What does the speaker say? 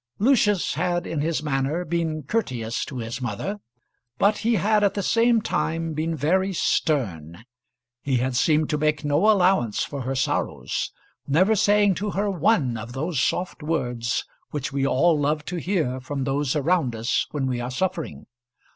Lucius had in his manner been courteous to his mother, but he had at the same time been very stern. He had seemed to make no allowance for her sorrows, never saying to her one of those soft words which we all love to hear from those around us when we are suffering.